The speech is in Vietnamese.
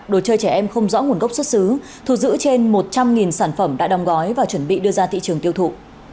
đồ chơi trẻ em không rõ nguồn gốc xuất xứ thu giữ trên một trăm linh sản phẩm đã đong gói và chuẩn bị đưa ra thị trường tiêu thụ